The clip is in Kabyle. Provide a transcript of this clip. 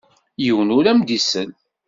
Yiwen ur am-d-isell.